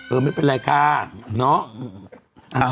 ไม่เป็นไรค่ะเนาะ